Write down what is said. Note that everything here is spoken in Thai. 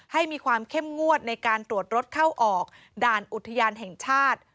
ให้มีความเข้มงวดในการตรวจรถเข้าออกด่านอุทยานแห่งชาติ